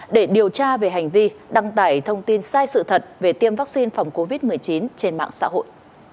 để điều tra về hành vi đăng tải thông tin sai sự thật về tiêm vaccine phòng covid một mươi chín trên mạng xã hội